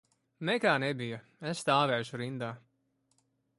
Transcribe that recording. Nekā nebija, es stāvēšu rindā.